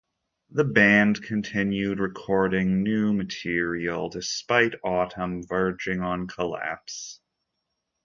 The band continued recording new material despite Autumn verging on collapse.